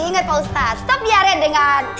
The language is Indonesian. ingat pak ustadz stop biarin dengan